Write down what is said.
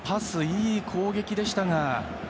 いい攻撃でしたが。